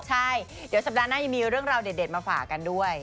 ใช่เดี๋ยวสัปดาห์หน้ายังมีเรื่องราวเด็ดมาฝากกันด้วย